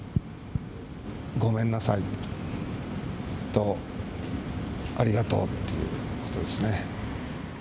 ごめんなさいと、ありがとうっていうことですね。